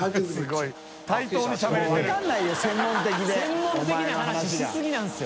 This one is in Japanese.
専門的な話しすぎなんです